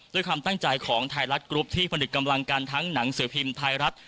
ด้วยความตั้งใจของไทยรัฐกรุ๊ปที่ผนึกกำลังกันทั้งหนังสือพิมพ์ไทยรัฐ